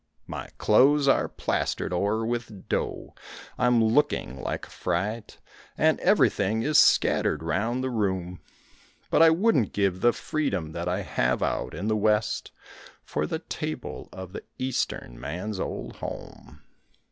My clothes are plastered o'er with dough, I'm looking like a fright, And everything is scattered round the room, But I wouldn't give the freedom that I have out in the West For the table of the Eastern man's old home.